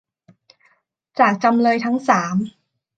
จากจำเลยทั้งสาม